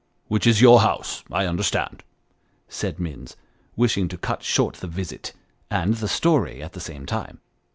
"Which is your house I understand," said Minns, wishing to cut ishort the visit, and the story, at the same time.